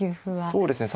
そうですね